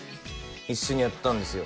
一緒にやったんですよ。